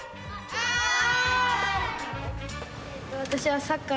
はい！